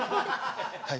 はい。